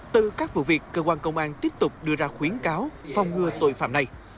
từ các vụ việc cơ quan công an tiếp tục đưa ra khuyến cáo phòng ngừa tội phạm này